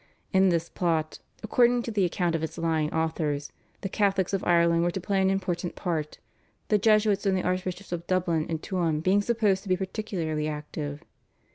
In this plot, according to the account of its lying authors, the Catholics of Ireland were to play an important part, the Jesuits and the Archbishops of Dublin and Tuam being supposed to be particularly active.